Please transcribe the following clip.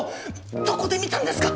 どこで見たんですか？